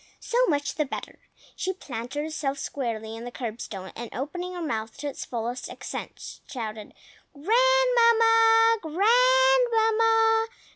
So much the better! She planted herself squarely on the curbstone, and opening her mouth to its fullest extent, shouted, "Grandmamma! Grandmamma!